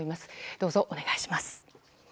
どうぞ、お願いします。